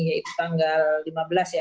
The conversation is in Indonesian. yaitu tanggal lima belas ya